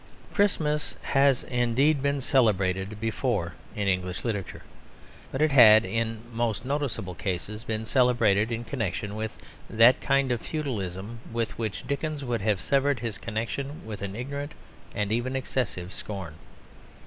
Christmas has indeed been celebrated before in English literature; but it had, in the most noticeable cases, been celebrated in connection with that kind of feudalism with which Dickens would have severed his connection with an ignorant and even excessive scorn.